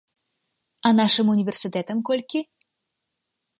А нашым універсітэтам колькі?